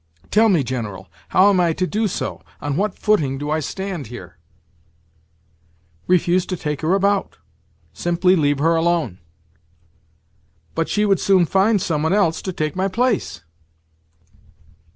"Tell me, General, how am I to do so? On what footing do I stand here?" "Refuse to take her about. Simply leave her alone." "But she would soon find some one else to take my place?"